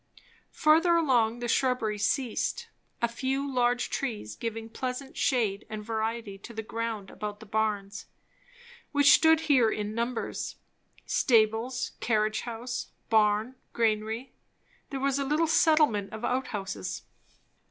Further along, the shrubbery ceased; a few large trees giving pleasant shade and variety to the ground about the barns, which stood here in numbers. Stables, carriage house, barn, granary; there was a little settlement of outhouses.